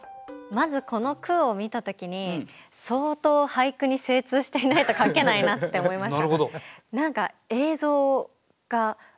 まずこの句を見た時に相当俳句に精通していないと書けないなって思いました。